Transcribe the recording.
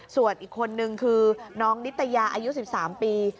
ส่วนอีกคนนึงคือน้องนิตยาอายุ๑๓ปี